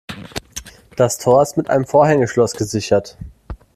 Das Tor ist mit einem Vorhängeschloss gesichert.